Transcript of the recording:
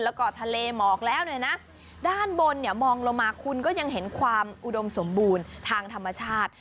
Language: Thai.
แล้วก็ทะเลหมอกแล้วเนี่ยนะด้านบนเนี่ยมองลงมาคุณก็ยังเห็นความอุดมสมบูรณ์ทางธรรมชาติ